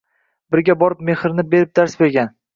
Bizga bor mehrini berib dars bergan.